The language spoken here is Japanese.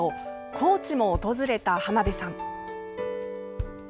高知も訪れた浜辺さん。